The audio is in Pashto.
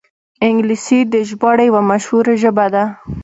انګلیسي د ژباړې یوه مشهوره ژبه ده